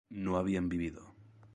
no habían vivido